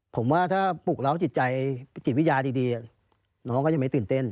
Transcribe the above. ผมว่าถ้าปลุกเล้าจิตใจจิตวิญญาดีน้องก็ยังไม่ตื่นเต้น